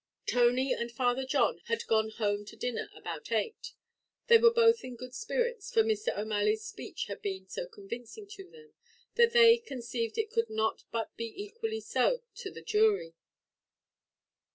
Tony and Father John got home to dinner about eight. They were both in good spirits, for Mr. O'Malley's speech had been so convincing to them, that they conceived it could not but be equally so to the jury.